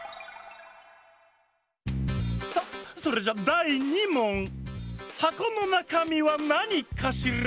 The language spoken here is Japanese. さあそれじゃだい２もん！はこのなかみはなにかしら？